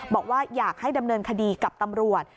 บอกว่าอยากให้ดำเนินคดีกับตำรวจ